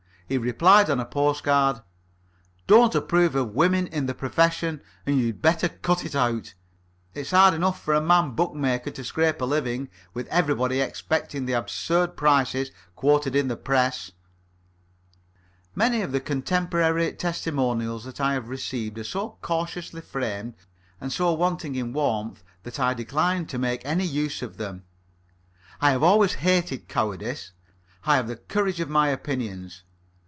He replied on a postcard: "Don't approve of women in the profession, and you'd better cut it out. It's hard enough for a man bookmaker to scrape a living, with everybody expecting the absurd prices quoted in the press." Many of the contemporary testimonials that I have received are so cautiously framed and so wanting in warmth that I decline to make any use of them. I have always hated cowardice. I have the courage of my opinions.